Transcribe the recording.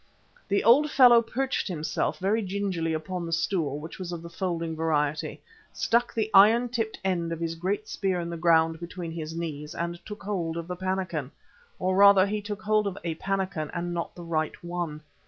The old fellow perched himself very gingerly upon the stool, which was of the folding variety, stuck the iron tipped end of his great spear in the ground between his knees and took hold of the pannikin. Or rather he took hold of a pannikin and not the right one.